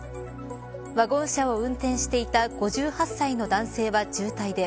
ワゴン車を運転していた５８歳の男性は重体で